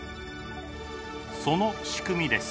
その仕組みです。